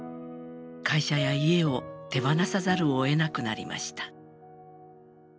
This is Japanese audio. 会社や家を手放さざるをえなくなりました。